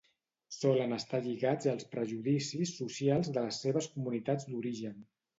Solen estar lligats als prejudicis socials de les seves comunitats d'origen.